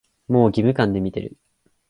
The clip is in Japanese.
もう義務感で見てる